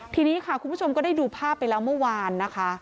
ทีนี้ค่ะคุณผู้ชมก็ได้ดูภาพไปแล้วเมื่อวานนะคะ